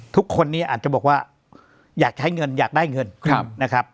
ทุกคนนี้อาจจะบอกว่าอยากใช้เงินอยากได้เงินนะครับ